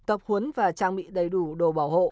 tập huấn và trang bị đầy đủ đồ bảo hộ